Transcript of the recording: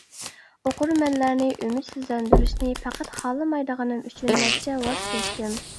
ئوقۇرمەنلەرنى ئۈمىدسىزلەندۈرۈشنى پەقەت خالىمايدىغىنىم ئۈچۈن نەچچە ۋاز كەچتىم.